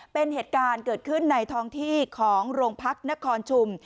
เป็นเหตุการณ์เกิดขึ้นในท้องที่ของโรงพักนครชุม